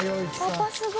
「パパすごい！」